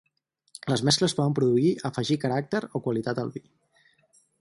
Les mescles poden produir afegir caràcter o qualitat al vi.